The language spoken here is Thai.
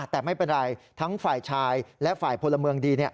แต่ไม่เป็นไรทั้งฝ่ายชายและฝ่ายพลเมืองดี